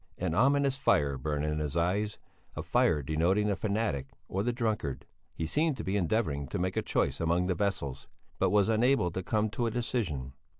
An ominous fire burned in his eyes, a fire denoting the fanatic or the drunkard. He seemed to be endeavouring to make a choice among the vessels, but was unable to come to a decision.